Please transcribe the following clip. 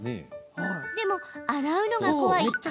でも、洗うのが怖い